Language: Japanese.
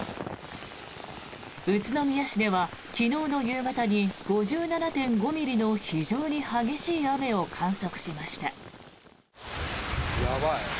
宇都宮市では昨日の夕方に５７．５ミリの非常に激しい雨を観測しました。